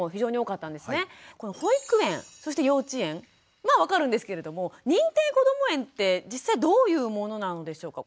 保育園そして幼稚園は分かるんですけれども認定こども園って実際どういうものなんでしょうか？